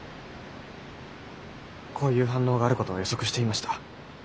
こういう反応があることは予測していました。